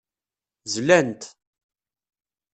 Zlan-t.